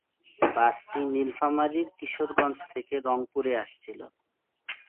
বাসটি নীলফামারীর কিশোরগঞ্জ থেকে রংপুরে আসছিল।